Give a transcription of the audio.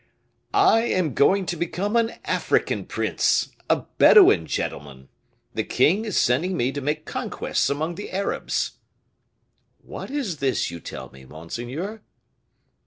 "I am going to become an African prince, a Bedouin gentleman. The king is sending me to make conquests among the Arabs." "What is this you tell me, monseigneur?"